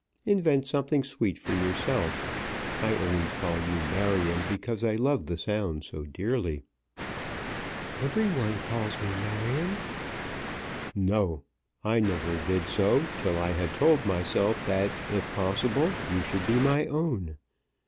Invent something sweet for yourself. I always call you Marion because I love the sound so dearly." "Every one calls me Marion." "No! I never did so till I had told myself that, if possible, you should be my own.